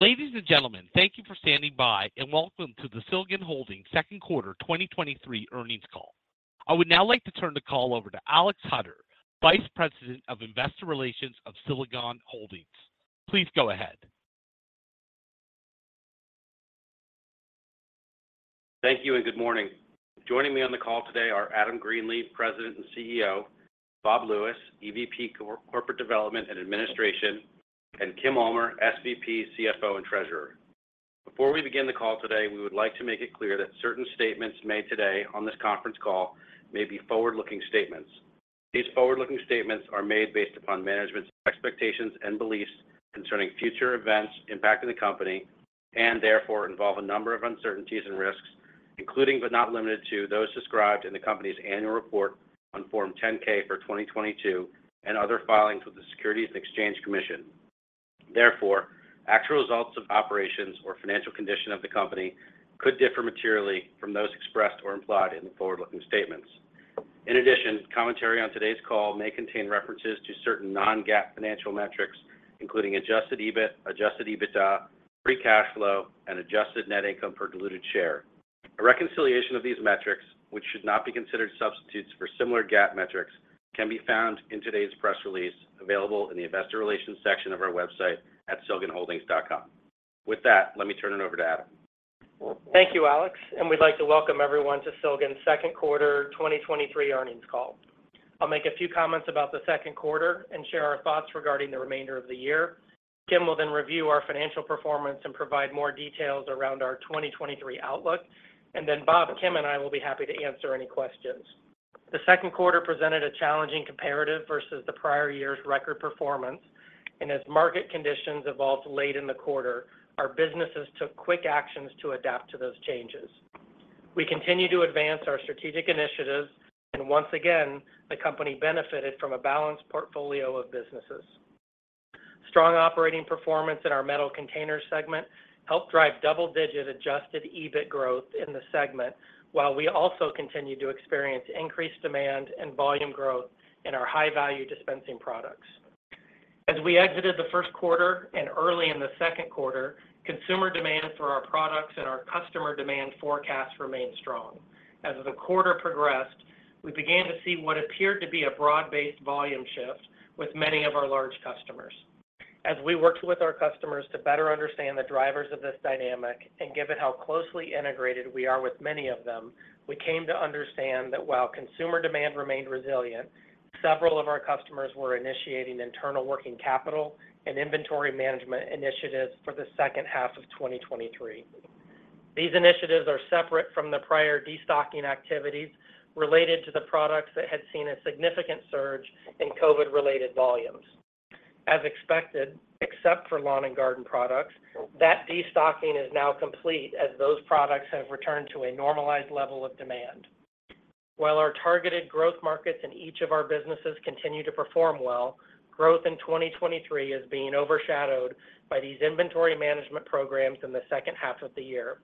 Ladies and gentlemen, thank you for standing by, and welcome to the Silgan Holdings Q2 2023 Earnings Call. I would now like to turn the call over to Alex Hutter, Vice President of Investor Relations of Silgan Holdings. Please go ahead. Thank you, good morning. Joining me on the call today are Adam Greenlee, President and CEO; Robert Lewis, EVP Corporate Development and Administration; and Kimberly Ulmer, SVP, CFO, and Treasurer. Before we begin the call today, we would like to make it clear that certain statements made today on this conference call may be forward-looking statements. These forward-looking statements are made based upon management's expectations and beliefs concerning future events impacting the company, and therefore involve a number of uncertainties and risks, including but not limited to, those described in the company's annual report on Form 10-K for 2022 and other filings with the Securities and Exchange Commission. Actual results of operations or financial condition of the company could differ materially from those expressed or implied in the forward-looking statements. In addition, commentary on today's call may contain references to certain non-GAAP financial metrics, including Adjusted EBIT, Adjusted EBITDA, Free Cash Flow, and Adjusted Net Income per Diluted Share. A reconciliation of these metrics, which should not be considered substitutes for similar GAAP metrics, can be found in today's press release, available in the Investor Relations section of our website at silganholdings.com. With that, let me turn it over to Adam. Thank you, Alex Hutter, and we'd like to welcome everyone to Silgan's Q2 2023 earnings call. I'll make a few comments about the Q2 and share our thoughts regarding the remainder of the year. Kimberly Ulmer will review our financial performance and provide more details around our 2023 outlook. Robert Lewis, Kimberly Ulmer, and I will be happy to answer any questions. The Q2 presented a challenging comparative versus the prior year's record performance, and as market conditions evolved late in the quarter, our businesses took quick actions to adapt to those changes. We continue to advance our strategic initiatives, and once again, the company benefited from a balanced portfolio of businesses. Strong operating performance in our Metal Containers segment helped drive double-digit Adjusted EBIT growth in the segment, while we also continued to experience increased demand and volume growth in our high-value dispensing products. As we exited the Q1 and early in the Q2, consumer demand for our products and our customer demand forecasts remained strong. As the quarter progressed, we began to see what appeared to be a broad-based volume shift with many of our large customers. As we worked with our customers to better understand the drivers of this dynamic, and given how closely integrated we are with many of them, we came to understand that while consumer demand remained resilient, several of our customers were initiating internal working capital and inventory management initiatives for the second half of 2023. These initiatives are separate from the prior destocking activities related to the products that had seen a significant surge in COVID-related volumes. As expected, except for lawn and garden products, that destocking is now complete as those products have returned to a normalized level of demand. While our targeted growth markets in each of our businesses continue to perform well, growth in 2023 is being overshadowed by these inventory management programs in the second half of the year.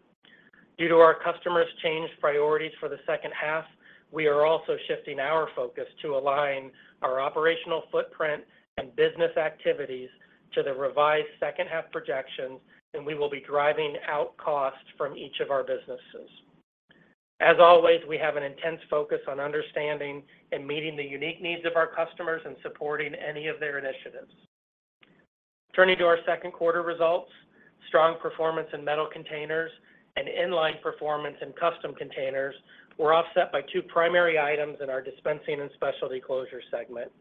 Due to our customers' changed priorities for the second half, we are also shifting our focus to align our operational footprint and business activities to the revised second-half projections. We will be driving out costs from each of our businesses. As always, we have an intense focus on understanding and meeting the unique needs of our customers and supporting any of their initiatives. Turning to our Q2 results, strong performance in Metal Containers and in-line performance in Custom Containers were offset by two primary items in our Dispensing and Specialty Closures segment.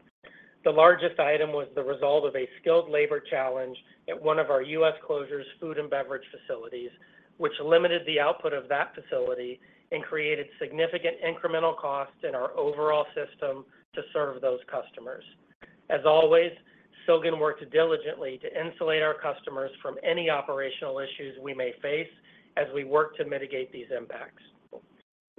The largest item was the result of a skilled labor challenge at one of our US closures food and beverage facilities, which limited the output of that facility and created significant incremental costs in our overall system to serve those customers. As always, Silgan worked diligently to insulate our customers from any operational issues we may face as we work to mitigate these impacts.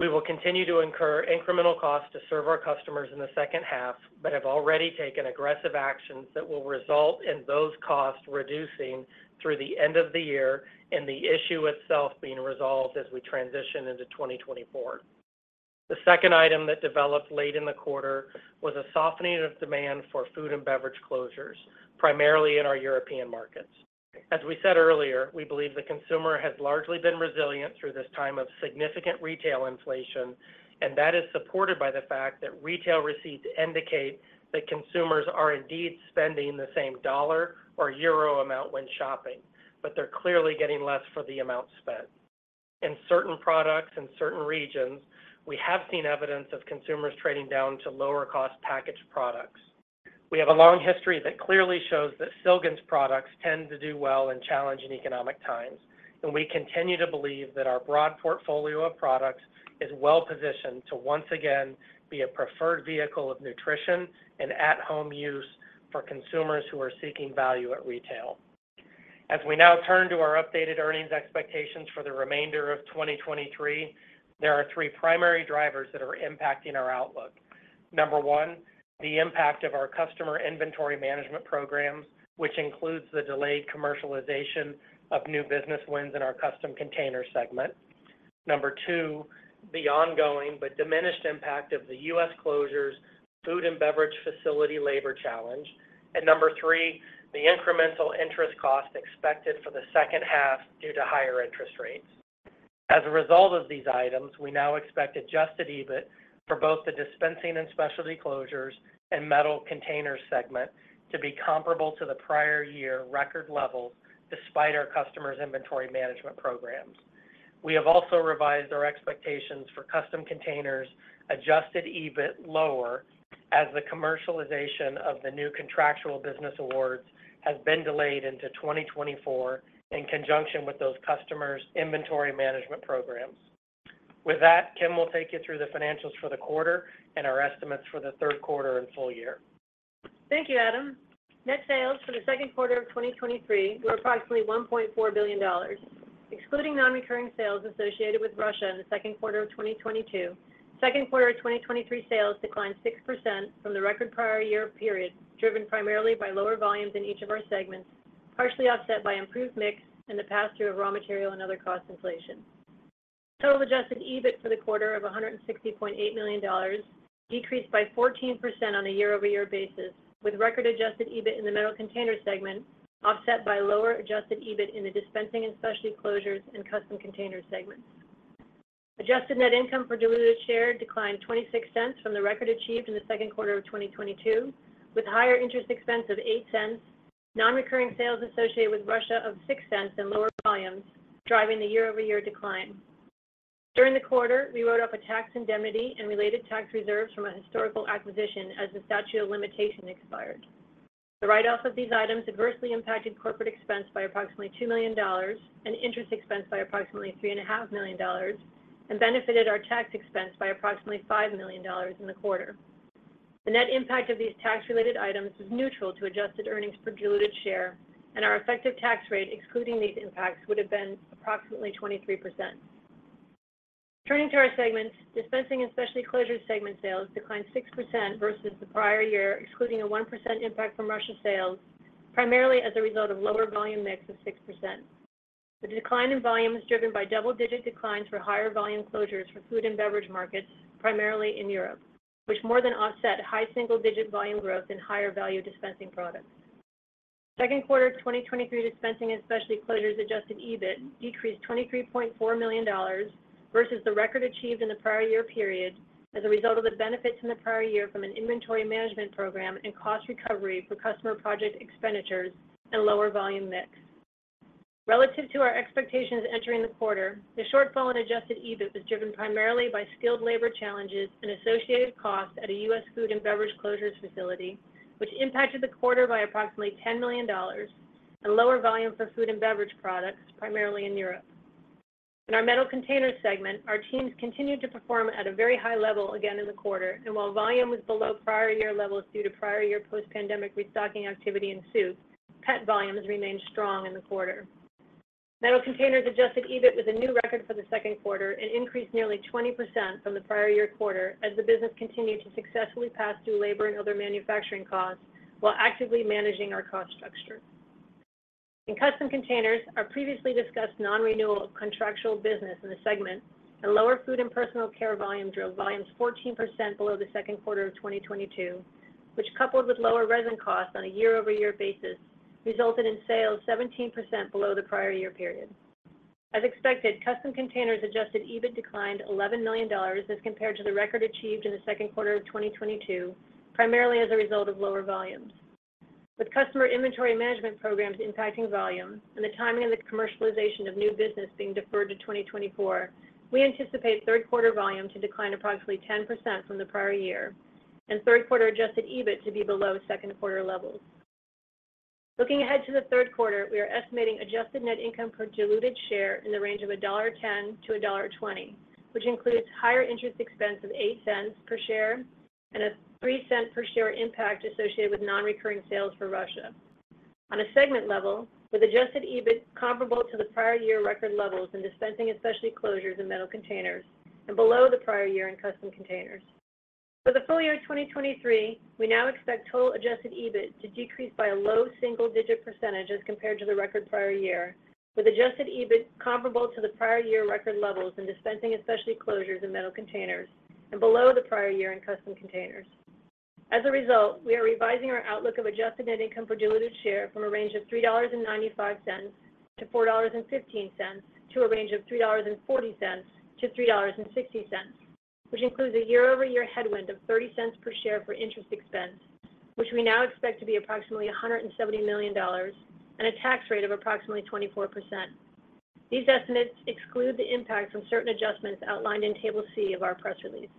We will continue to incur incremental costs to serve our customers in the second half, but have already taken aggressive actions that will result in those costs reducing through the end of the year and the issue itself being resolved as we transition into 2024. The second item that developed late in the quarter was a softening of demand for food and beverage closures, primarily in our European markets. As we said earlier, we believe the consumer has largely been resilient through this time of significant retail inflation, and that is supported by the fact that retail receipts indicate that consumers are indeed spending the same dollar or euro amount when shopping, but they're clearly getting less for the amount spent. In certain products and certain regions, we have seen evidence of consumers trading down to lower-cost packaged products. We have a long history that clearly shows that Silgan's products tend to do well in challenging economic times, and we continue to believe that our broad portfolio of products is well positioned to once again be a preferred vehicle of nutrition and at-home use for consumers who are seeking value at retail. As we now turn to our updated earnings expectations for the remainder of 2023, there are three primary drivers that are impacting our outlook. Number one, the impact of our customer inventory management programs, which includes the delayed commercialization of new business wins in our Custom Containers segment. Number two, the ongoing but diminished impact of the U.S. closures, food and beverage facility labor challenge. Number three, the incremental interest cost expected for the second half due to higher interest rates. As a result of these items, we now expect Adjusted EBIT for both the Dispensing and Specialty Closures and Metal Containers segment to be comparable to the prior year record levels, despite our customers' inventory management programs. We have also revised our expectations for Custom Containers Adjusted EBIT lower, as the commercialization of the new contractual business awards has been delayed into 2024, in conjunction with those customers' inventory management programs. With that, Kim will take you through the financials for the quarter and our estimates for the Q3 and full year. Thank you, Adam. Net sales for the Q2 of 2023 were approximately $1.4 billion. Excluding non-recurring sales associated with Russia in the Q2 of 2022, Q2 of 2023 sales declined 6% from the record prior year period, driven primarily by lower volumes in each of our segments, partially offset by improved mix and the pass-through of raw material and other cost inflation. Total Adjusted EBIT for the quarter of $160.8 million decreased by 14% on a year-over-year basis, with record Adjusted EBIT in the Metal Containers segment, offset by lower Adjusted EBIT in the Dispensing and Specialty Closures and Custom Containers segments. Adjusted Net Income per Diluted Share declined $0.26 from the record achieved in the Q2 of 2022, with higher interest expense of $0.08, non-recurring sales associated with Russia of $0.06 and lower volumes, driving the year-over-year decline. During the quarter, we wrote off a tax indemnity and related tax reserves from a historical acquisition as the statute of limitation expired. The write-off of these items adversely impacted corporate expense by approximately $2 million and interest expense by approximately $3.5 million, and benefited our tax expense by approximately $5 million in the quarter. The net impact of these tax-related items was neutral to Adjusted Earnings per Diluted Share, and our effective tax rate, excluding these impacts, would have been approximately 23%. Turning to our segments, Dispensing and Specialty Closures segment sales declined 6% versus the prior year, excluding a 1% impact from Russian sales, primarily as a result of lower volume mix of 6%. The decline in volume was driven by double-digit declines for higher volume closures for food and beverage markets, primarily in Europe, which more than offset high single-digit volume growth in higher value dispensing products. Q2 2023 Dispensing and Specialty Closures Adjusted EBIT decreased $23.4 million versus the record achieved in the prior year period as a result of the benefits in the prior year from an inventory management program and cost recovery for customer project expenditures and lower volume mix. Relative to our expectations entering the quarter, the shortfall in Adjusted EBIT was driven primarily by skilled labor challenges and associated costs at a U.S. food and beverage closures facility, which impacted the quarter by approximately $10 million and lower volumes for food and beverage products, primarily in Europe. In our Metal Containers segment, our teams continued to perform at a very high level again in the quarter. While volume was below prior year levels due to prior year post-pandemic restocking activity in soup, pet volumes remained strong in the quarter. Metal Containers Adjusted EBIT was a new record for the Q2 and increased nearly 20% from the prior year quarter as the business continued to successfully pass through labor and other manufacturing costs while actively managing our cost structure. In Custom Containers, our previously discussed non-renewal of contractual business in the segment and lower food and personal care volume drove volumes 14% below the Q2 of 2022, which, coupled with lower resin costs on a year-over-year basis, resulted in sales 17% below the prior year period. As expected, Custom Containers Adjusted EBIT declined $11 million as compared to the record achieved in the Q2 of 2022, primarily as a result of lower volumes. With customer inventory management programs impacting volume and the timing of the commercialization of new business being deferred to 2024, we anticipate Q3 volume to decline approximately 10% from the prior year, and Q3 Adjusted EBIT to be below Q2 levels. Looking ahead to the Q3, we are estimating Adjusted Net Income per Diluted Share in the range of $1.10-$1.20, which includes higher interest expense of $0.08 per share and a $0.03 per share impact associated with non-recurring sales for Russia. On a segment level, with Adjusted EBIT comparable to the prior year record levels in Dispensing and Specialty Closures in Metal Containers and below the prior year in Custom Containers. For the full year of 2023, we now expect total Adjusted EBIT to decrease by a low single-digit percentage as compared to the record prior year, with Adjusted EBIT comparable to the prior year record levels in Dispensing and Specialty Closures in Metal Containers and below the prior year in Custom Containers. As a result, we are revising our outlook of Adjusted Net Income per Diluted Share from a range of $3.95 to $4.15 to a range of $3.40 to $3.60, which includes a year-over-year headwind of $0.30 per share for interest expense, which we now expect to be approximately $170 million and a tax rate of approximately 24%. These estimates exclude the impact from certain adjustments outlined in Table C of our press release.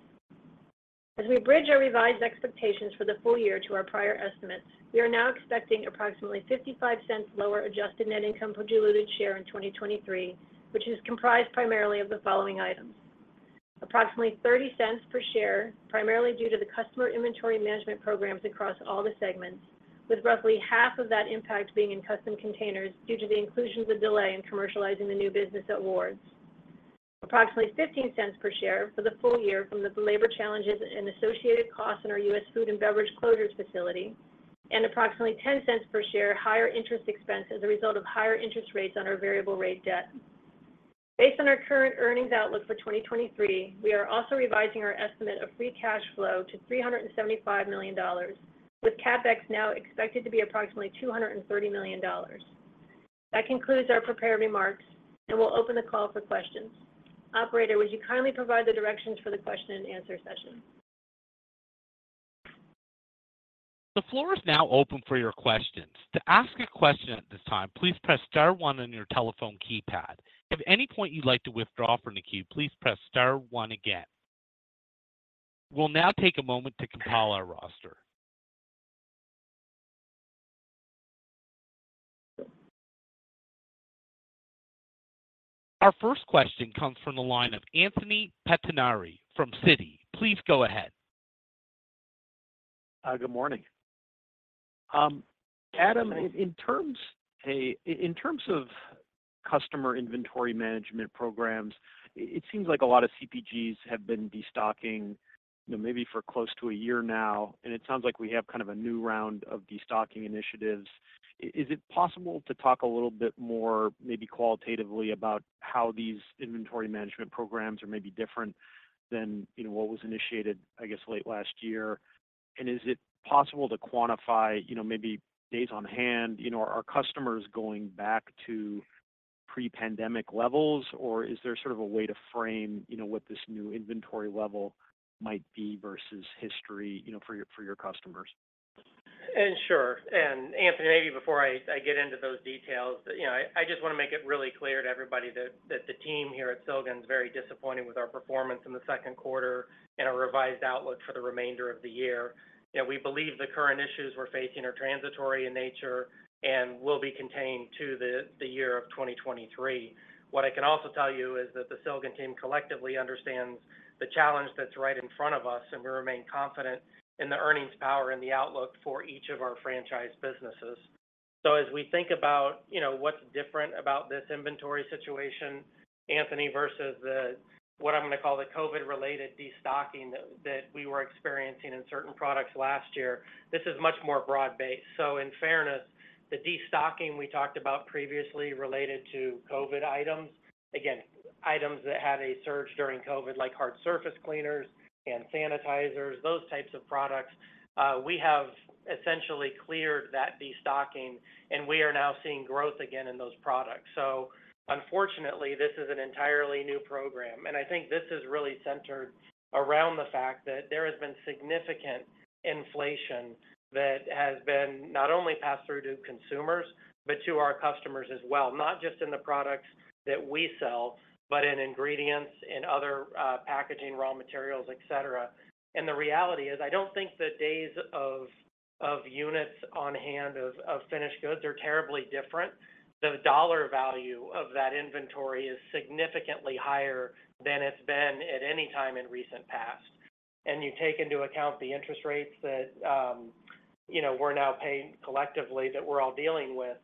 As we bridge our revised expectations for the full year to our prior estimates, we are now expecting approximately $0.55 lower Adjusted Net Income per Diluted Share in 2023, which is comprised primarily of the following items: Approximately $0.30 per share, primarily due to the customer inventory management programs across all the segments, with roughly half of that impact being in Custom Containers due to the inclusion of the delay in commercializing the new business awards. Approximately $0.15 per share for the full year from the labor challenges and associated costs in our U.S. food and beverage closures facility. Approximately $0.10 per share, higher interest expense as a result of higher interest rates on our variable rate debt. Based on our current earnings outlook for 2023, we are also revising our estimate of Free Cash Flow to $375 million, with CapEx now expected to be approximately $230 million. That concludes our prepared remarks. We'll open the call for questions. Operator, would you kindly provide the directions for the question and answer session? The floor is now open for your questions. To ask a question at this time, please press star one on your telephone keypad. If at any point you'd like to withdraw from the queue, please press star one again. We'll now take a moment to compile our roster. Our first question comes from the line of Anthony Pettinari from Citi. Please go ahead. Good morning. Adam, in terms of customer inventory management programs, it seems like a lot of CPGs have been destocking, you know, maybe for close to a year now, it sounds like we have kind of a new round of destocking initiatives. Is it possible to talk a little bit more, maybe qualitatively, about how these inventory management programs are maybe different than, you know, what was initiated, I guess, late last year? Is it possible to quantify, you know, maybe days on hand? You know, are customers going back to pre-pandemic levels, or is there sort of a way to frame, you know, what this new inventory level might be versus history, you know, for your customers? Sure. Anthony, maybe before I get into those details, you know, I just wanna make it really clear to everybody that the team here at Silgan is very disappointed with our performance in the Q2 and our revised outlook for the remainder of the year. You know, we believe the current issues we're facing are transitory in nature and will be contained to the year of 2023. What I can also tell you is that the Silgan team collectively understands the challenge that's right in front of us, and we remain confident in the earnings power and the outlook for each of our franchise businesses. As we think about, you know, what's different about this inventory situation, Anthony, versus the, what I'm gonna call the COVID-related destocking that we were experiencing in certain products last year, this is much more broad-based. In fairness, the destocking we talked about previously related to COVID items, again, items that had a surge during COVID, like hard surface cleaners and sanitizers, those types of products, we have essentially cleared that destocking, and we are now seeing growth again in those products. Unfortunately, this is an entirely new program, and I think this is really centered around the fact that there has been significant inflation that has been not only passed through to consumers, but to our customers as well. Not just in the products that we sell, but in ingredients, in other packaging, raw materials, et cetera. The reality is, I don't think the days of units on hand of finished goods are terribly different. The dollar value of that inventory is significantly higher than it's been at any time in recent past. You take into account the interest rates that, you know, we're now paying collectively, that we're all dealing with,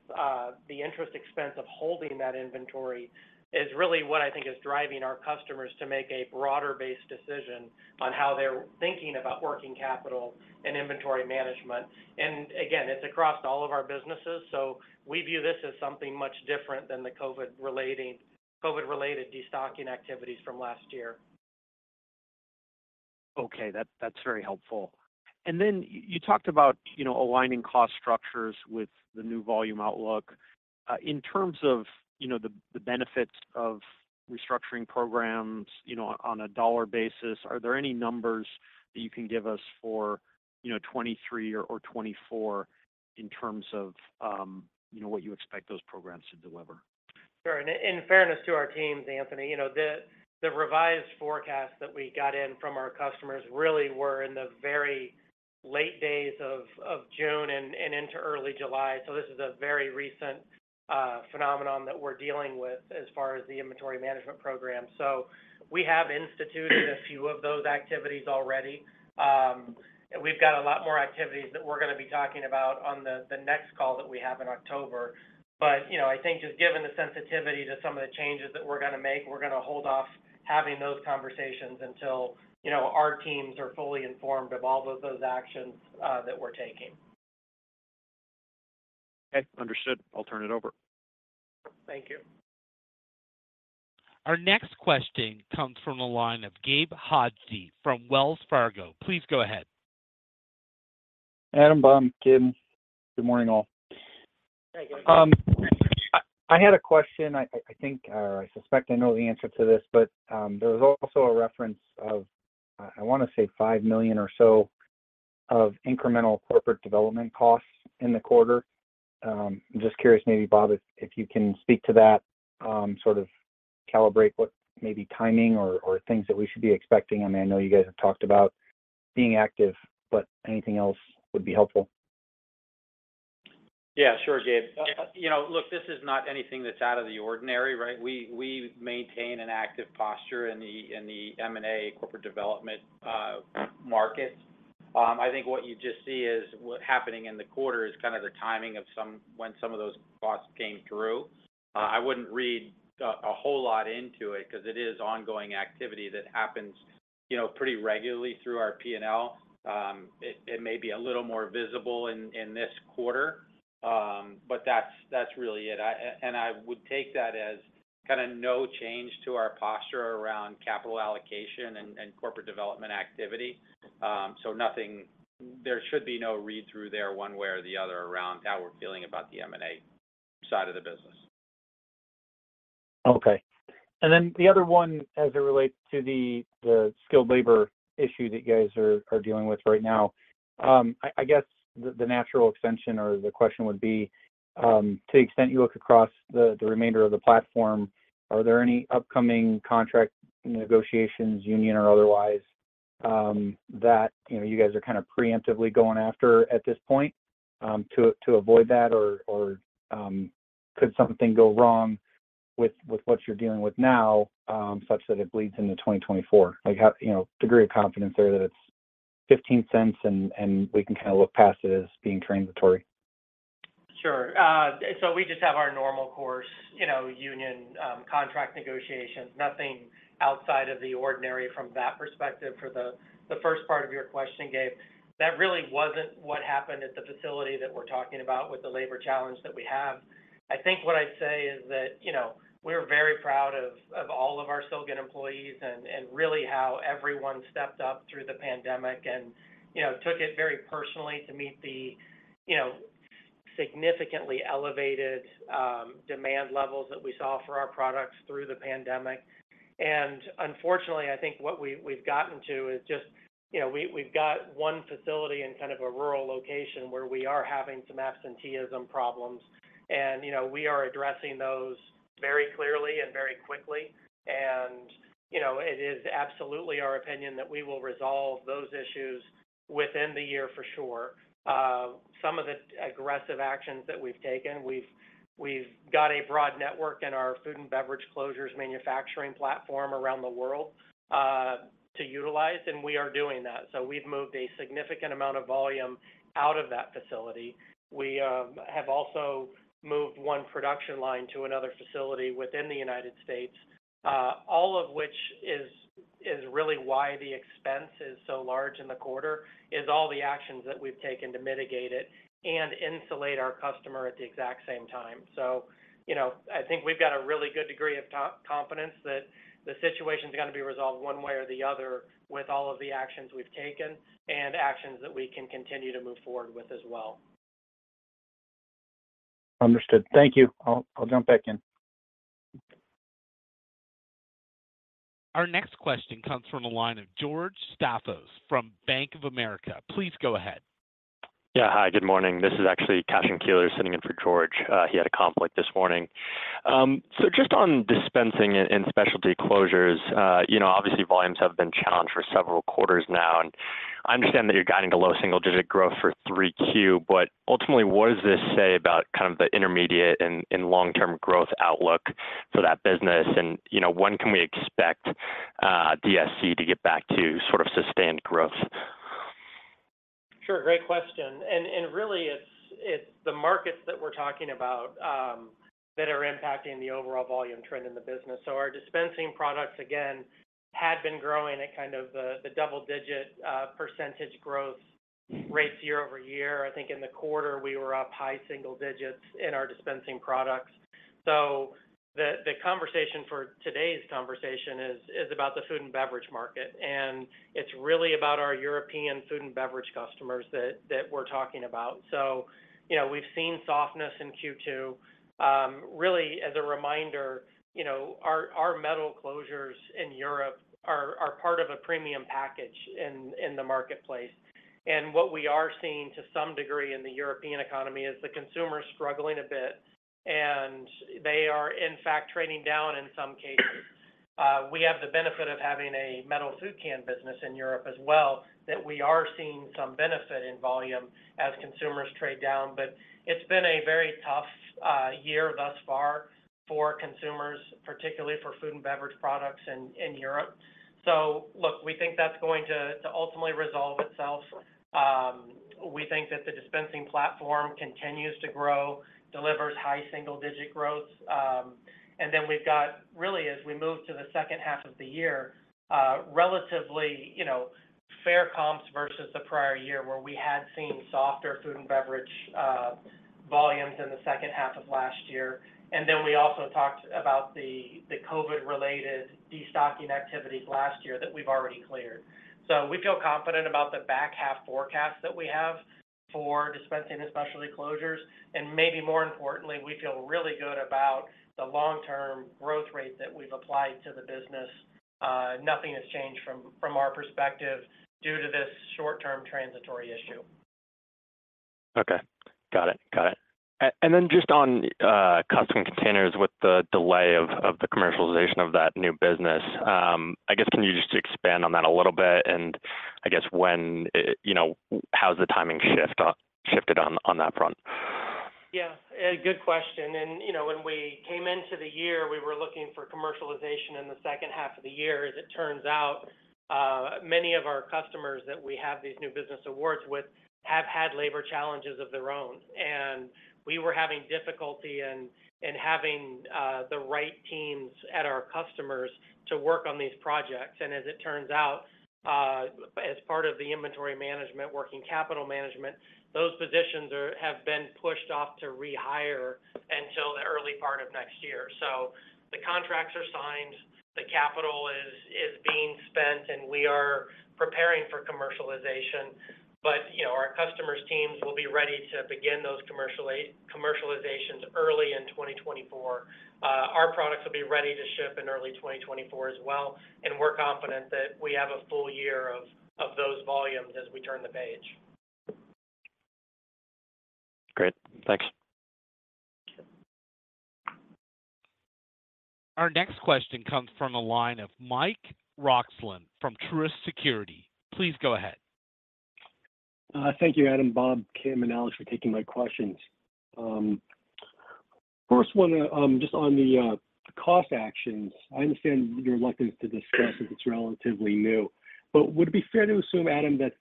the interest expense of holding that inventory is really what I think is driving our customers to make a broader-based decision on how they're thinking about working capital and inventory management. Again, it's across all of our businesses, so we view this as something much different than the COVID-related destocking activities from last year. Okay, that's very helpful. You talked about, you know, aligning cost structures with the new volume outlook. In terms of, you know, the benefits of restructuring programs, you know, on a dollar basis, are there any numbers that you can give us for, you know, 2023 or 2024 in terms of, you know, what you expect those programs to deliver? Sure. In fairness to our teams, Anthony, you know, the revised forecast that we got in from our customers really were in the very late days of June and into early July. This is a very recent phenomenon that we're dealing with as far as the inventory management program. We have instituted a few of those activities already. We've got a lot more activities that we're gonna be talking about on the next call that we have in October. You know, I think just given the sensitivity to some of the changes that we're gonna make, we're gonna hold off having those conversations until, you know, our teams are fully informed of all of those actions that we're taking. Okay, understood. I'll turn it over. Thank you. Our next question comes from the line of Gabe Hajde from Wells Fargo. Please go ahead. Adam, Bob, Kim, good morning, all. Hey, Gabe. I had a question. I think, or I suspect I know the answer to this, but there was also a reference of, I wanna say $5 million or so of incremental corporate development costs in the quarter. Just curious, maybe, Bob, if you can speak to that, sort of calibrate what maybe timing or things that we should be expecting. I mean, I know you guys have talked about being active, but anything else would be helpful. Yeah, sure, Gabe. you know, look, this is not anything that's out of the ordinary, right? We maintain an active posture in the M&A corporate development market. I think what you just see is what happening in the quarter, just kind of the timing of some, when some of those costs came through. I wouldn't read a whole lot into it, 'cause it is ongoing activity that happens, you know, pretty regularly through our P&L. It may be a little more visible in this quarter, but that's really it. I, and I would take that as kind of no change to our posture around capital allocation and corporate development activity. There should be no read-through there one way or the other around how we're feeling about the M&A side of the business. Okay. The other one, as it relates to the skilled labor issue that you guys are dealing with right now, I guess the natural extension or the question would be, to the extent you look across the remainder of the platform, are there any upcoming contract negotiations, union or otherwise, that, you know, you guys are kind of preemptively going after at this point, to avoid that? Or could something go wrong with what you're dealing with now, such that it bleeds into 2024? You know, degree of confidence there that it's $0.15, and we can kind of look past it as being transitory? Sure. We just have our normal course, you know, union, contract negotiations. Nothing outside of the ordinary from that perspective. For the first part of your question, Gabe, that really wasn't what happened at the facility that we're talking about with the labor challenge that we have. I think what I'd say is that, you know, we're very proud of all of our Silgan employees and really how everyone stepped up through the pandemic and, you know, took it very personally to meet the, you know, significantly elevated, demand levels that we saw for our products through the pandemic. Unfortunately, I think what we've gotten to is just, you know, we've got one facility in kind of a rural location, where we are having some absenteeism problems. You know, we are addressing those very clearly and very quickly. You know, it is absolutely our opinion that we will resolve those issues within the year for sure. Some of the aggressive actions that we've taken, we've got a broad network in our food and beverage closures manufacturing platform around the world to utilize, and we are doing that. We've moved a significant amount of volume out of that facility. We have also moved one production line to another facility within the United States, all of which is really why the expense is so large in the quarter, is all the actions that we've taken to mitigate it and insulate our customer at the exact same time. You know, I think we've got a really good degree of confidence that the situation's gonna be resolved one way or the other with all of the actions we've taken and actions that we can continue to move forward with as well. Understood. Thank you. I'll jump back in. Our next question comes from the line of George Staphos from Bank of America. Please go ahead. Yeah. Hi, good morning. This is actually Kasian Keeler sitting in for George. He had a conflict this morning. Just on Dispensing and Specialty Closures, you know, obviously, volumes have been challenged for several quarters now, and I understand that you're guiding to low single-digit growth for Q3. Ultimately, what does this say about kind of the intermediate and long-term growth outlook for that business? You know, when can we expect DSC to get back to sort of sustained growth? Sure, great question. Really, it's the markets that we're talking about, that are impacting the overall volume trend in the business. Our dispensing products, again, had been growing at kind of the double digit percentage growth rates year-over-year. I think in the quarter, we were up high single digits in our dispensing products. The conversation for today's conversation is about the food and beverage market, and it's really about our European food and beverage customers that we're talking about. You know, we've seen softness in Q2. Really, as a reminder, you know, our metal closures in Europe are part of a premium package in the marketplace. What we are seeing to some degree in the European economy is the consumer is struggling a bit, and they are, in fact, trading down in some cases. We have the benefit of having a metal food can business in Europe as well, that we are seeing some benefit in volume as consumers trade down. It's been a very tough year thus far for consumers, particularly for food and beverage products in Europe. Look, we think that's going to ultimately resolve itself. We think that the dispensing platform continues to grow, delivers high single-digit growth. Then we've got, really, as we move to the second half of the year, relatively, you know, fair comps versus the prior year, where we had seen softer food and beverage volumes in the second half of last year. We also talked about the COVID-related destocking activities last year that we've already cleared. We feel confident about the back half forecast that we have for Dispensing and Specialty Closures. Maybe more importantly, we feel really good about the long-term growth rate that we've applied to the business. Nothing has changed from our perspective due to this short-term transitory issue. Okay. Got it. Just on Custom Containers with the delay of the commercialization of that new business, I guess, can you just expand on that a little bit? I guess You know, how's the timing shift shifted on that front? Yeah, a good question. You know, when we came into the year, we were looking for commercialization in the second half of the year. As it turns out, many of our customers that we have these new business awards with have had labor challenges of their own. We were having difficulty in having the right teams at our customers to work on these projects. As it turns out, as part of the inventory management, working capital management, those positions have been pushed off to rehire until the early part of next year. The contracts are signed, the capital is being spent, and we are preparing for commercialization. You know, our customers' teams will be ready to begin those commercialization early in 2024. Our products will be ready to ship in early 2024 as well. We're confident that we have a full year of those volumes as we turn the page. Great. Thanks. Our next question comes from the line of Mike Roxland from Truist Securities. Please go ahead. Thank you, Adam, Bob, Kim, and Alex, for taking my questions. First one, just on the cost actions. I understand you're reluctant to discuss it's relatively new. Would it be fair to assume, Adam, that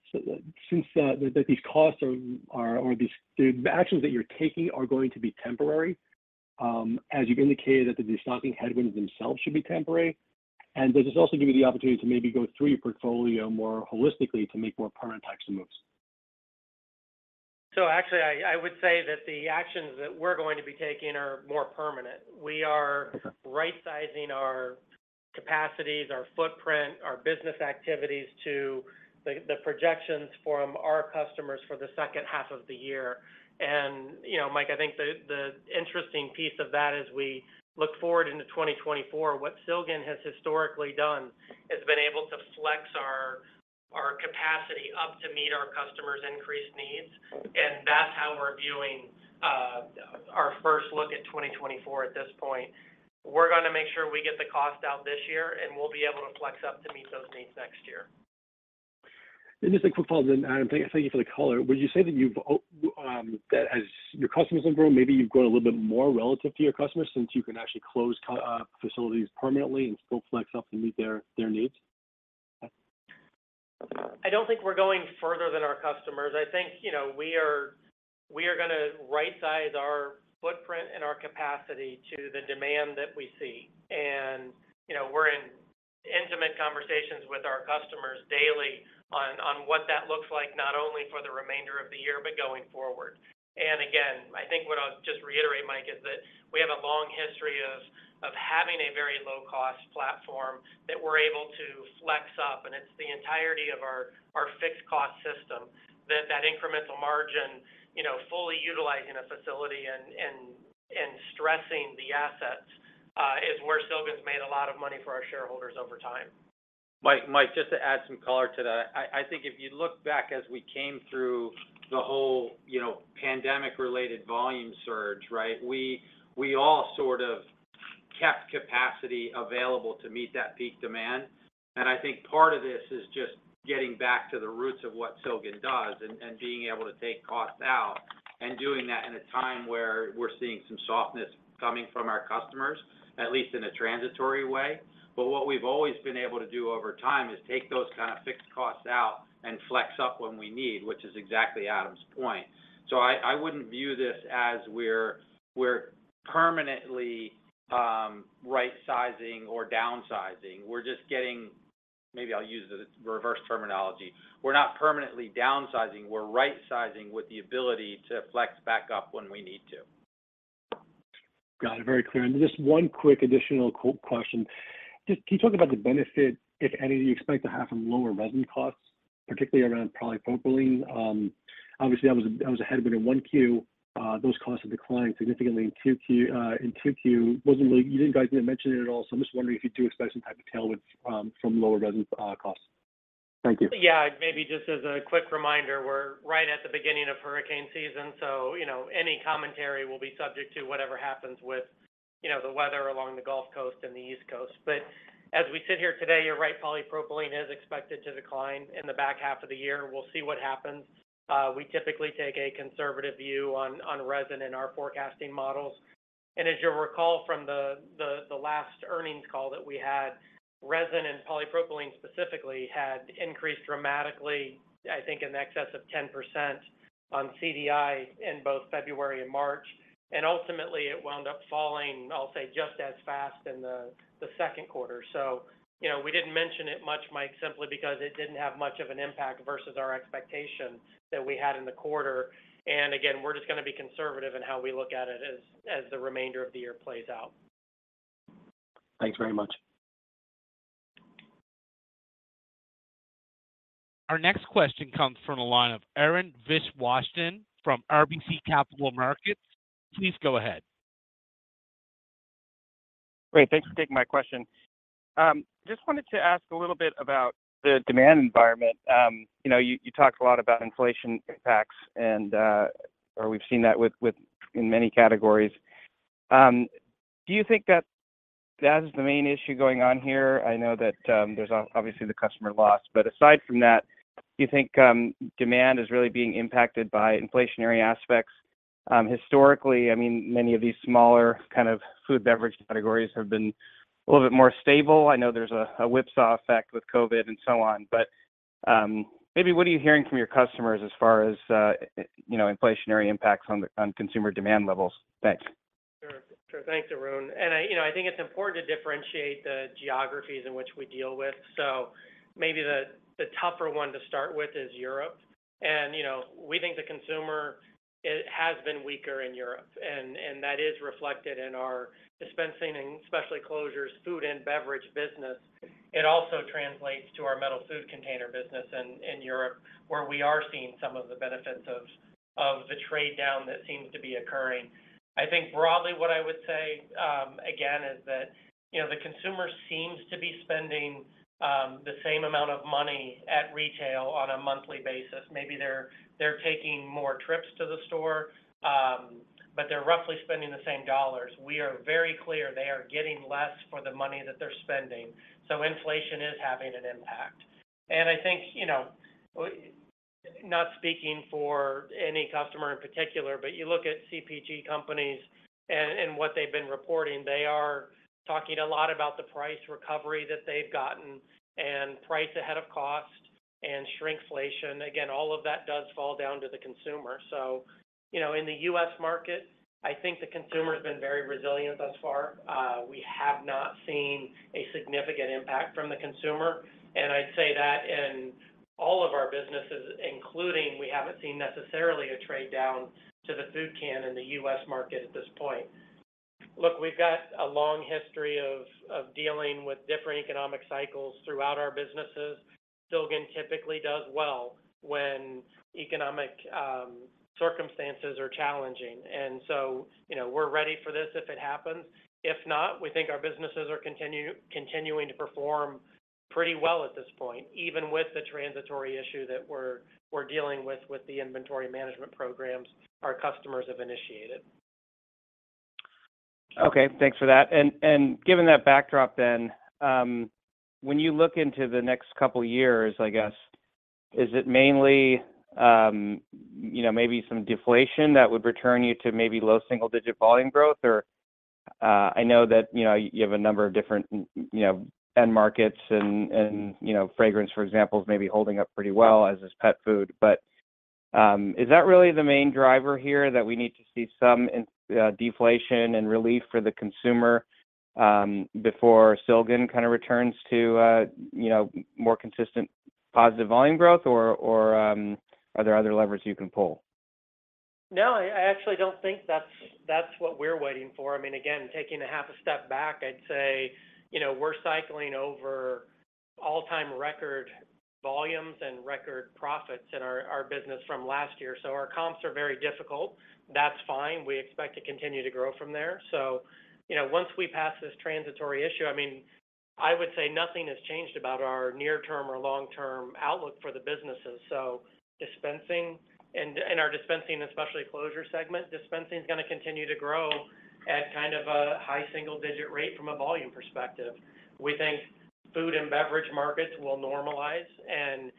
since that these costs or these, the actions that you're taking are going to be temporary, as you've indicated, that the stocking headwinds themselves should be temporary? Does this also give you the opportunity to maybe go through your portfolio more holistically to make more permanent types of moves? Actually, I would say that the actions that we're going to be taking are more permanent. We are right-sizing our capacities, our footprint, our business activities to the projections from our customers for the second half of the year. You know, Mike, I think the interesting piece of that as we look forward into 2024, what Silgan has historically done has been able to flex our capacity up to meet our customers' increased needs, and that's how we're viewing our first look at 2024 at this point. We're gonna make sure we get the cost out this year, and we'll be able to flex up to meet those needs next year. Just a quick follow-up then, Adam, thank you for the color. Would you say that you've that as your customers have grown, maybe you've grown a little bit more relative to your customers since you can actually close facilities permanently and still flex up to meet their needs? I don't think we're going further than our customers. I think, you know, we are gonna right-size our footprint and our capacity to the demand that we see. You know, we're in intimate conversations with our customers daily on what that looks like, not only for the remainder of the year, but going forward. Again, I think what I'll just reiterate, Mike, is that we have a long history of having a very low-cost platform that we're able to flex up, and it's the entirety of our fixed cost system, that incremental margin, you know, fully utilizing a facility and stressing the assets, is where Silgan's made a lot of money for our shareholders over time. Mike, just to add some color to that. I think if you look back as we came through the whole, you know, pandemic-related volume surge, right? We all sort of kept capacity available to meet that peak demand. I think part of this is just getting back to the roots of what Silgan does and being able to take costs out, and doing that in a time where we're seeing some softness coming from our customers, at least in a transitory way. What we've always been able to do over time is take those kind of fixed costs out and flex up when we need, which is exactly Adam's point. I wouldn't view this as we're permanently right-sizing or downsizing. We're just getting maybe I'll use the reverse terminology. We're not permanently downsizing, we're right-sizing with the ability to flex back up when we need to. Just one quick additional question. Just can you talk about the benefit, if any, you expect to have from lower resin costs, particularly around polypropylene? Obviously, that was a headwind in Q1. Those costs have declined significantly in Q2. You guys didn't mention it at all, so I'm just wondering if you do expect some type of tailwind from lower resin costs. Thank you. Yeah, maybe just as a quick reminder, we're right at the beginning of hurricane season, so you know, any commentary will be subject to whatever happens with, you know, the weather along the Gulf Coast and the East Coast. As we sit here today, you're right, polypropylene is expected to decline in the back half of the year. We'll see what happens. We typically take a conservative view on resin in our forecasting models. As you'll recall from the last earnings call that we had, resin and polypropylene specifically had increased dramatically, I think in excess of 10% on CDI in both February and March. Ultimately, it wound up falling, I'll say, just as fast in the Q2. you know, we didn't mention it much, Mike, simply because it didn't have much of an impact versus our expectation that we had in the quarter. And again, we're just gonna be conservative in how we look at it as the remainder of the year plays out. Thanks very much. Our next question comes from the line of Arun Viswanathan from RBC Capital Markets. Please go ahead. Great. Thanks for taking my question. Just wanted to ask a little bit about the demand environment. You know, you talked a lot about inflation impacts and, or we've seen that in many categories. Do you think that That is the main issue going on here. I know that there's obviously the customer loss, but aside from that, do you think demand is really being impacted by inflationary aspects? Historically, I mean, many of these smaller kind of food beverage categories have been a little bit more stable. I know there's a whipsaw effect with COVID and so on, but maybe what are you hearing from your customers as far as, you know, inflationary impacts on consumer demand levels? Thanks. Sure, sure. Thanks, Arun. You know, I think it's important to differentiate the geographies in which we deal with. Maybe the tougher one to start with is Europe. You know, we think the consumer, it has been weaker in Europe, and that is reflected in our Dispensing and Specialty Closures, food and beverage business. It also translates to our metal food container business in Europe, where we are seeing some of the benefits of the trade down that seems to be occurring. I think broadly what I would say, again, is that, you know, the consumer seems to be spending the same amount of money at retail on a monthly basis. Maybe they're taking more trips to the store, but they're roughly spending the same dollars. We are very clear they are getting less for the money that they're spending, so inflation is having an impact. I think, you know, not speaking for any customer in particular, but you look at CPG companies and what they've been reporting, they are talking a lot about the price recovery that they've gotten and price ahead of cost and shrinkflation. All of that does fall down to the consumer. You know, in the U.S. market, I think the consumer has been very resilient thus far. We have not seen a significant impact from the consumer, and I'd say that in all of our businesses, including, we haven't seen necessarily a trade down to the food can in the U.S. market at this point. Look, we've got a long history of dealing with different economic cycles throughout our businesses. Silgan typically does well when economic circumstances are challenging, you know, we're ready for this if it happens. If not, we think our businesses are continuing to perform pretty well at this point, even with the transitory issue that we're dealing with the inventory management programs our customers have initiated. Okay. Thanks for that. Given that backdrop then, when you look into the next couple of years, I guess, is it mainly, you know, maybe some deflation that would return you to maybe low single-digit volume growth? I know that, you know, you have a number of different, you know, end markets and, you know, fragrance, for example, is maybe holding up pretty well, as is pet food. Is that really the main driver here, that we need to see some deflation and relief for the consumer, before Silgan kind of returns to, you know, more consistent positive volume growth, or are there other levers you can pull? No, I actually don't think that's what we're waiting for. I mean, again, taking a half a step back, I'd say, you know, we're cycling over all-time record volumes and record profits in our business from last year, our comps are very difficult. That's fine. We expect to continue to grow from there. You know, once we pass this transitory issue, I mean, I would say nothing has changed about our near-term or long-term outlook for the businesses. Dispensing in our Dispensing and Specialty Closures segment, Dispensing is going to continue to grow at kind of a high single-digit rate from a volume perspective. We think food and beverage markets will normalize and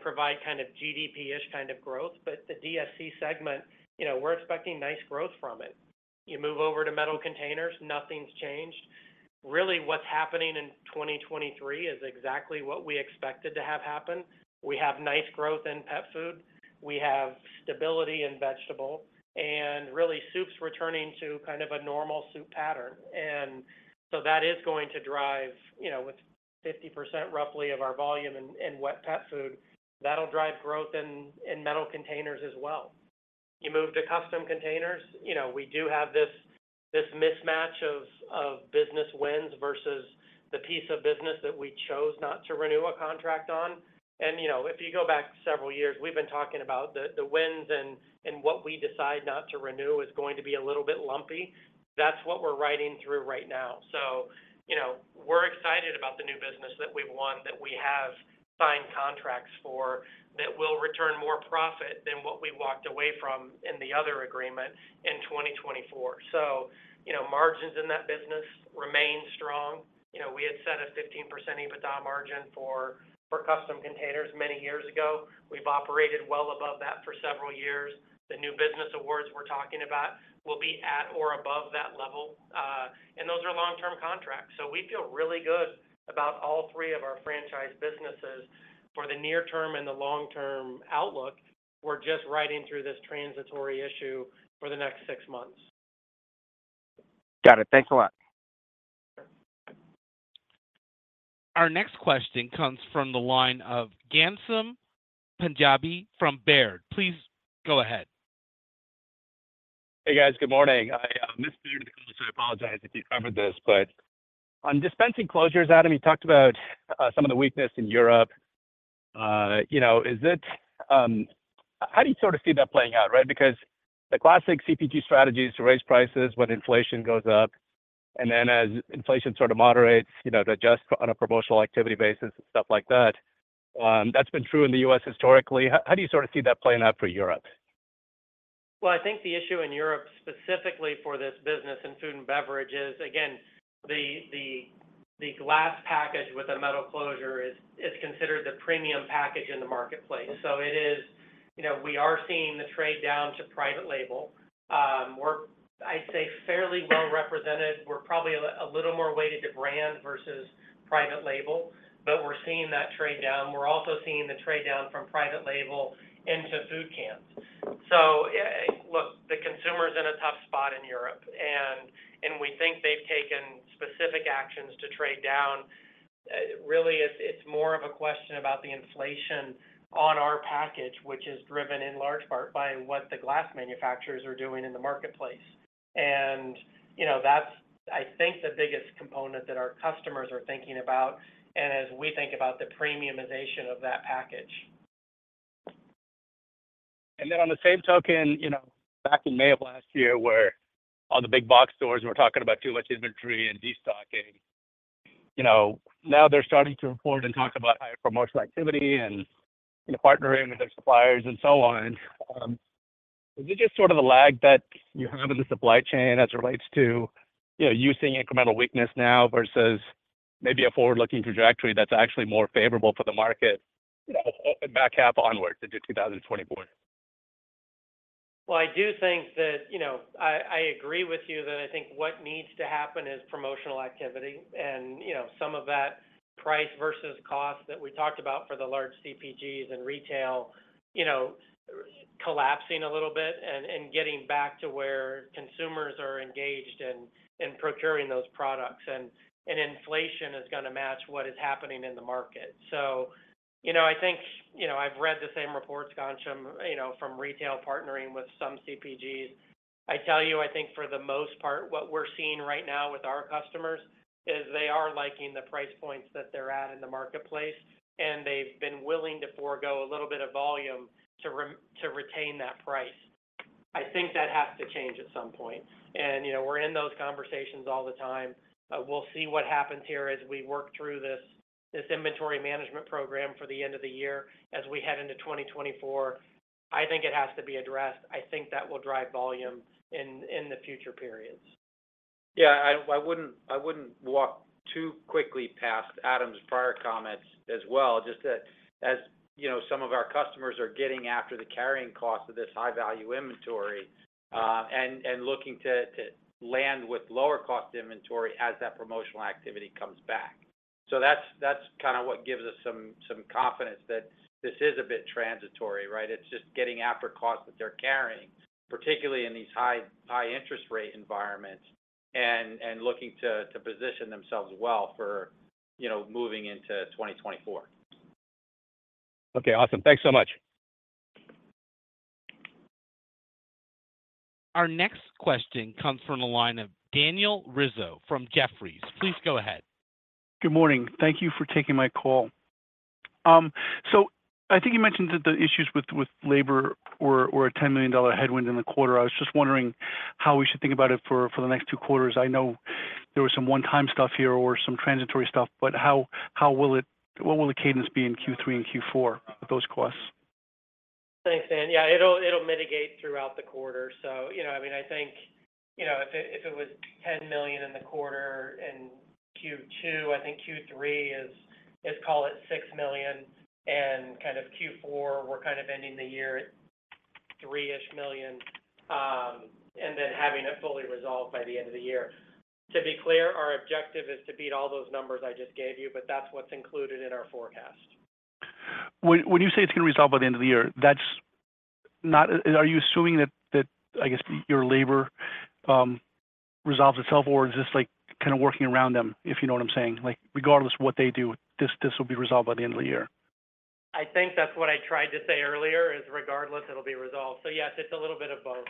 provide kind of GDP kind of growth, the DSC segment, you know, we're expecting nice growth from it. You move over to Metal Containers, nothing's changed. Really, what's happening in 2023 is exactly what we expected to have happen. We have nice growth in pet food, we have stability in vegetable, really, soup's returning to kind of a normal soup pattern. That is going to drive, you know, with 50% roughly of our volume in wet pet food, that'll drive growth in Metal Containers as well. You move to Custom Containers, you know, we do have this mismatch of business wins versus the piece of business that we chose not to renew a contract on. You know, if you go back several years, we've been talking about the wins and what we decide not to renew is going to be a little bit lumpy. That's what we're riding through right now. you know, we're excited about the new business that we've won, that we have signed contracts for, that will return more profit than what we walked away from in the other agreement in 2024. you know, margins in that business remain strong. You know, we had set a 15% EBITDA margin for Custom Containers many years ago. We've operated well above that for several years. The new business awards we're talking about will be at or above that level, and those are long-term contracts. we feel really good about all three of our franchise businesses for the near term and the long-term outlook. We're just riding through this transitory issue for the next six months. Got it. Thanks a lot. Our next question comes from the line of Ghansham Panjabi from Baird. Please go ahead. Hey, guys. Good morning. I missed the beginning, so I apologize if you covered this. On Dispensing Closures, Adam, you talked about some of the weakness in Europe. You know, How do you sort of see that playing out, right? Because the classic CPG strategy is to raise prices when inflation goes up, and then as inflation sort of moderates, you know, to adjust on a promotional activity basis and stuff like that. That's been true in the U.S. historically. How do you sort of see that playing out for Europe? Well, I think the issue in Europe, specifically for this business in food and beverage, is, again, the glass package with a metal closure is considered the premium package in the marketplace. It is, you know, we are seeing the trade down to private label. We're, I'd say, fairly well represented. We're probably a little more weighted to brand versus private label, but we're seeing that trade down. We're also seeing the trade down from private label into food cans. Look, the consumer's in a tough spot in Europe, and we think they've taken specific actions to trade down. Really, it's more of a question about the inflation on our package, which is driven in large part by what the glass manufacturers are doing in the marketplace. You know, that's, I think, the biggest component that our customers are thinking about, and as we think about the premiumization of that package. On the same token, you know, back in May of last year, where all the big box stores were talking about too much inventory and destocking. You know, now they're starting to report and talk about higher promotional activity and, you know, partnering with their suppliers and so on. Is it just sort of a lag that you have in the supply chain as it relates to, you know, you seeing incremental weakness now versus maybe a forward-looking trajectory that's actually more favorable for the market, you know, back half onwards into 2024? I do think, you know, I agree with you that I think what needs to happen is promotional activity. You know, some of that price versus cost that we talked about for the large CPGs and retail, you know, collapsing a little bit and getting back to where consumers are engaged in procuring those products. Inflation is gonna match what is happening in the market. You know, I think, you know, I've read the same reports, Ghansham, you know, from retail partnering with some CPGs. I tell you, I think for the most part, what we're seeing right now with our customers is they are liking the price points that they're at in the marketplace, and they've been willing to forego a little bit of volume to retain that price. I think that has to change at some point. You know, we're in those conversations all the time. We'll see what happens here as we work through this inventory management program for the end of the year as we head into 2024. I think it has to be addressed. I think that will drive volume in the future periods. I wouldn't walk too quickly past Adam's prior comments as well. Just that, as you know, some of our customers are getting after the carrying cost of this high-value inventory, and looking to land with lower cost inventory as that promotional activity comes back. That's kinda what gives us some confidence that this is a bit transitory, right? It's just getting after costs that they're carrying, particularly in these high interest rate environments, and looking to position themselves well for, you know, moving into 2024. Okay, awesome. Thanks so much. Our next question comes from the line of Daniel Rizzo from Jefferies. Please go ahead. Good morning. Thank you for taking my call. I think you mentioned that the issues with labor were a $10 million headwind in the quarter. I was just wondering how we should think about it for the next Q2. I know there was some one-time stuff here or some transitory stuff, how what will the cadence be in Q3 and Q4 with those costs? Thanks, Dan. Yeah, it'll mitigate throughout the quarter. you know, I mean, I think, you know, if it was $10 million in the quarter in Q2, I think Q3 is, call it $6 million, kind of Q4, we're kind of ending the year at $3 million, and then having it fully resolved by the end of the year. To be clear, our objective is to beat all those numbers I just gave you, but that's what's included in our forecast. When you say it's gonna be resolved by the end of the year, that's not. Are you assuming that, I guess, your labor resolves itself, or is this, like, kind of working around them, if you know what I'm saying? Like, regardless of what they do, this will be resolved by the end of the year. I think that's what I tried to say earlier is, regardless, it'll be resolved. Yes, it's a little bit of both.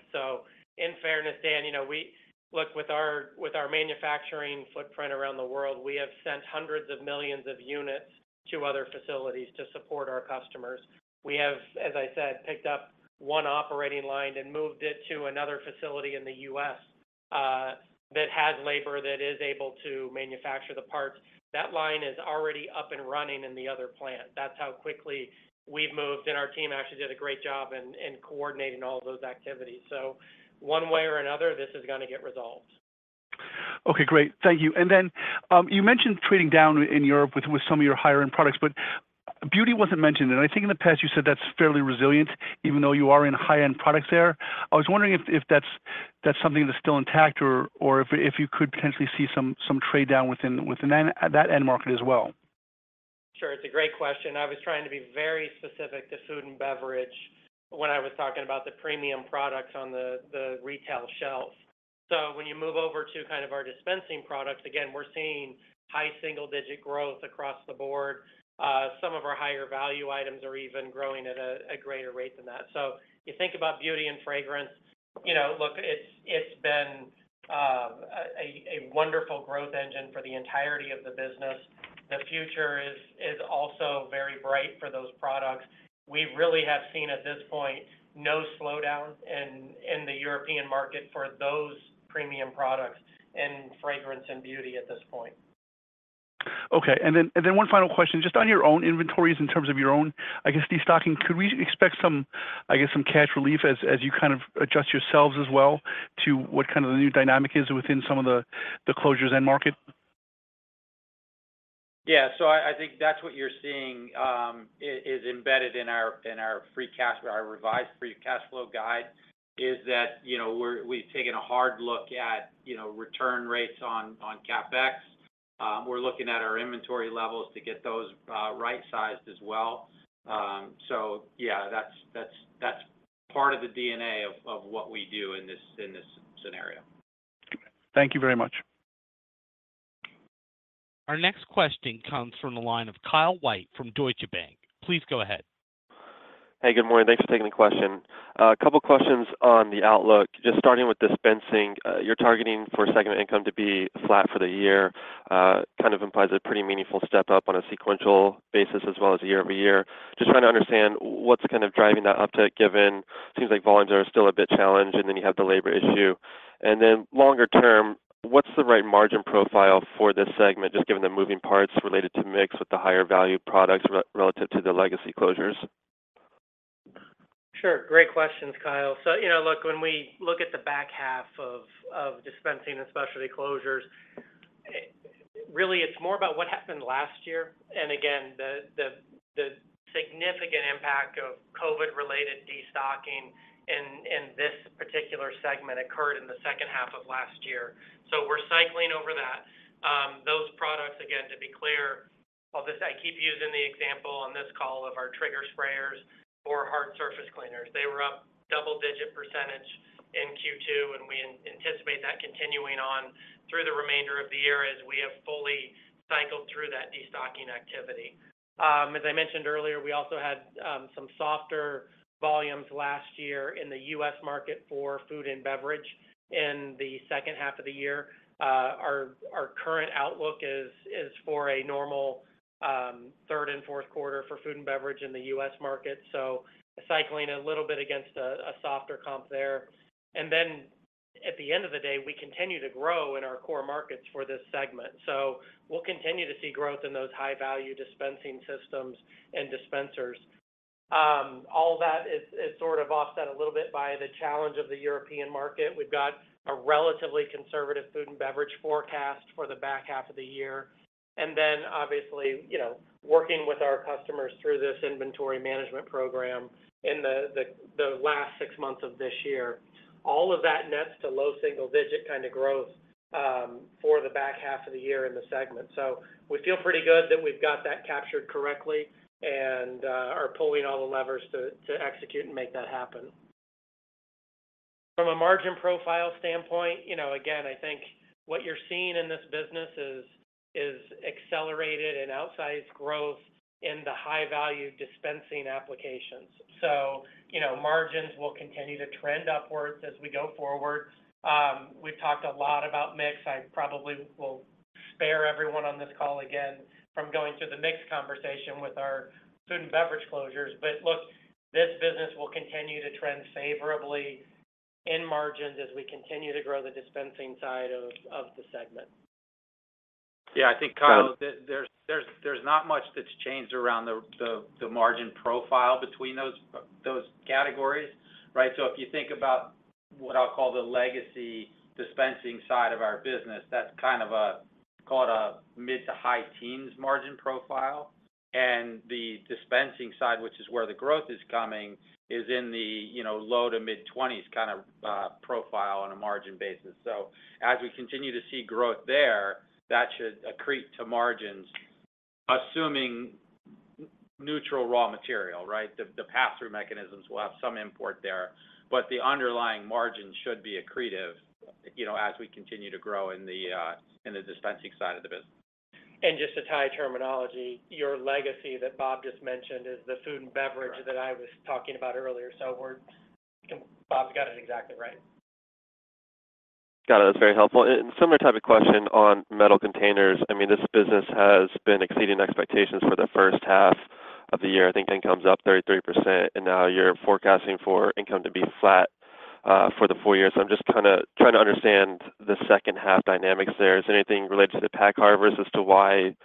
In fairness, Dan, you know, we Look, with our, with our manufacturing footprint around the world, we have sent hundreds of millions of units to other facilities to support our customers. We have, as I said, picked up one operating line and moved it to another facility in the U.S., that has labor that is able to manufacture the parts. That line is already up and running in the other plant. That's how quickly we've moved, and our team actually did a great job in coordinating all those activities. One way or another, this is gonna get resolved. Okay, great. Thank you. Then, you mentioned trading down in Europe with some of your higher-end products, but beauty wasn't mentioned. I think in the past, you said that's fairly resilient, even though you are in high-end products there. I was wondering if that's something that's still intact or if you could potentially see some trade down within that end market as well? Sure. It's a great question. I was trying to be very specific to food and beverage when I was talking about the premium products on the retail shelf. When you move over to kind of our dispensing products, again, we're seeing high single-digit growth across the board. Some of our higher value items are even growing at a greater rate than that. When you think about beauty and fragrance, you know, look, it's been a wonderful growth engine for the entirety of the business. The future is also very bright for those products. We really have seen, at this point, no slowdown in the European market for those premium products in fragrance and beauty at this point. Okay, and then one final question, just on your own inventories, in terms of your own, I guess, destocking, could we expect some, I guess, some cash relief as you kind of adjust yourselves as well to what kind of the new dynamic is within some of the closures end market? Yeah. I think that's what you're seeing, is embedded in our revised Free Cash Flow guide, is that, you know, we've taken a hard look at, you know, return rates on CapEx. We're looking at our inventory levels to get those right-sized as well. Yeah, that's part of the DNA of what we do in this scenario. Thank you very much. Our next question comes from the line of Kyle White from Deutsche Bank. Please go ahead. Hey, good morning. Thanks for taking the question. A couple questions on the outlook. Just starting with dispensing, you're targeting for segment income to be flat for the year, kind of implies a pretty meaningful step up on a sequential basis as well as a year-over-year. Just trying to understand what's kind of driving that uptick, given seems like volumes are still a bit challenged, and then you have the labor issue. Longer term, what's the right margin profile for this segment, just given the moving parts relative to the legacy closures? Sure. Great questions, Kyle. You know, look, when we look at the back half of Dispensing and Specialty Closures, really, it's more about what happened last year. Again, the significant impact of COVID-related destocking in this particular segment occurred in the second half of last year. We're cycling over that. Those products, again, to be clear, well, I keep using the example on this call of our trigger sprayers or hard surface cleaners. They were up double-digit percentage in Q2, and we anticipate that continuing on through the remainder of the year as we have fully cycled through that destocking activity. As I mentioned earlier, we also had some softer volumes last year in the U.S. market for food and beverage in the second half of the year. Our current outlook is for a normal third and Q4 for food and beverage in the U.S. market. Cycling a little bit against a softer comp there. At the end of the day, we continue to grow in our core markets for this segment. We'll continue to see growth in those high-value dispensing systems and dispensers. All that is sort of offset a little bit by the challenge of the European market. We've got a relatively conservative food and beverage forecast for the back half of the year. Obviously, you know, working with our customers through this inventory management program in the last six months of this year, all of that nets to low single-digit kind of growth for the back half of the year in the segment. We feel pretty good that we've got that captured correctly and are pulling all the levers to execute and make that happen. From a margin profile standpoint, you know, again, I think what you're seeing in this business is accelerated and outsized growth in the high-value dispensing applications. Margins will continue to trend upwards as we go forward. We've talked a lot about mix. I probably will spare everyone on this call again from going through the mix conversation with our food and beverage closures. Look, this business will continue to trend favorably in margins as we continue to grow the dispensing side of the segment. I think, Kyle, there's not much that's changed around the margin profile between those categories, right? If you think about what I'll call the legacy dispensing side of our business, that's kind of a, call it a mid-to-high teens margin profile. The dispensing side, which is where the growth is coming, is in the, you know, low-to-mid 20s kind of profile on a margin basis. As we continue to see growth there, that should accrete to margins, assuming neutral raw material, right? The pass-through mechanisms will have some import there, but the underlying margin should be accretive, you know, as we continue to grow in the dispensing side of the business. Just to tie terminology, your legacy that Bob just mentioned is the food and beverage that I was talking about earlier. Bob's got it exactly right. Got it. That's very helpful. Similar type of question on Metal Containers. I mean, this business has been exceeding expectations for the first half of the year. I think income's up 33%, now you're forecasting for income to be flat for the full year. I'm just kind of trying to understand the second half dynamics there. Is anything related to the pack harvest as to why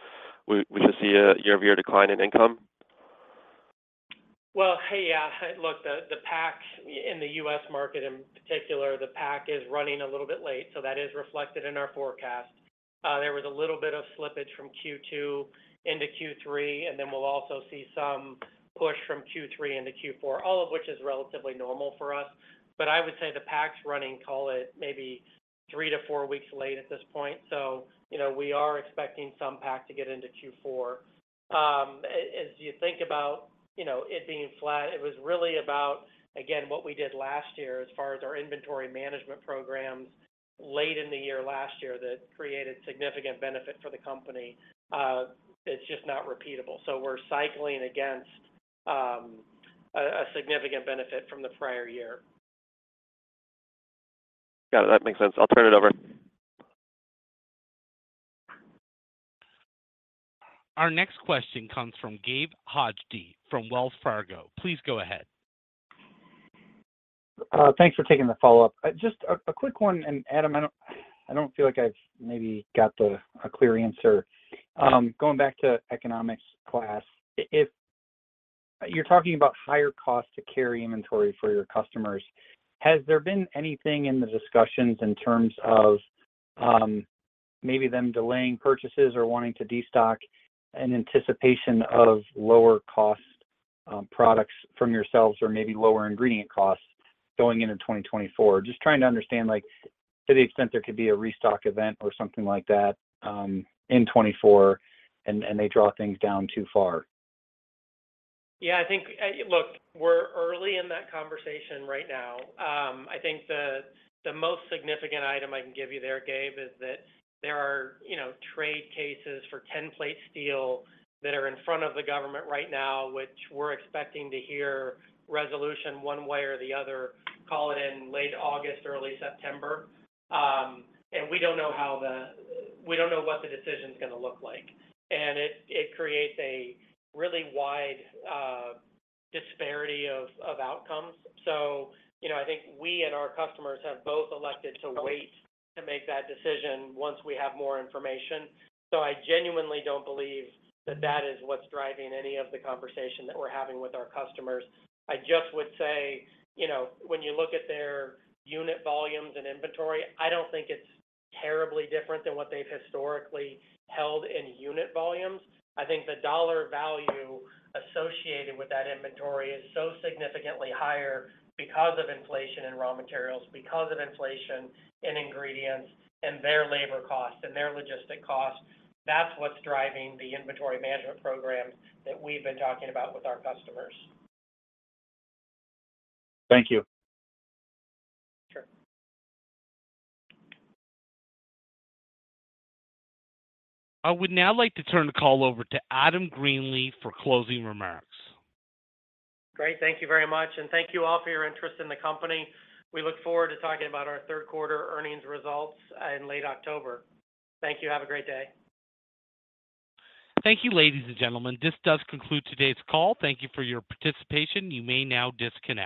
we should see a year-over-year decline in income? Hey, yeah, look, the pack in the U.S. market, in particular, the pack is running a little bit late, so that is reflected in our forecast. There was a little bit of slippage from Q2 into Q3, and then we'll also see some push from Q3 into Q4, all of which is relatively normal for us. I would say the pack's running, call it maybe 3 weeks to 4 weeks late at this point. You know, we are expecting some pack to get into Q4. As you think about, you know, it being flat, it was really about, again, what we did last year as far as our inventory management programs late in the year, last year, that created significant benefit for the company. It's just not repeatable. We're cycling against a significant benefit from the prior year. Got it. That makes sense. I'll turn it over. Our next question comes from Gabe Hajde from Wells Fargo. Please go ahead. Thanks for taking the follow-up. Just a quick one, Adam, I don't feel like I've maybe got a clear answer. Going back to economics class, if you're talking about higher costs to carry inventory for your customers, has there been anything in the discussions in terms of, maybe them delaying purchases or wanting to destock in anticipation of lower cost, products from yourselves, or maybe lower ingredient costs going into 2024? Trying to understand, like, to the extent there could be a restock event or something like that, in 2024, and they draw things down too far. Yeah, I think, look, we're early in that conversation right now. I think the most significant item I can give you there, Gabe, is that there are, you know, trade cases for tinplate steel that are in front of the government right now, which we're expecting to hear resolution one way or the other, call it in late August, early September. We don't know what the decision's gonna look like, and it creates a really wide disparity of outcomes. You know, I think we and our customers have both elected to wait to make that decision once we have more information. I genuinely don't believe that that is what's driving any of the conversation that we're having with our customers. I just would say, you know, when you look at their unit volumes and inventory, I don't think it's terribly different than what they've historically held in unit volumes. I think the dollar value associated with that inventory is so significantly higher because of inflation in raw materials, because of inflation in ingredients and their labor costs and their logistic costs. That's what's driving the inventory management programs that we've been talking about with our customers. Thank you. Sure. I would now like to turn the call over to Adam Greenlee for closing remarks. Great. Thank you very much, and thank you all for your interest in the company. We look forward to talking about our Q3 earnings results in late October. Thank you. Have a great day. Thank you, ladies and gentlemen. This does conclude today's call. Thank you for your participation. You may now disconnect.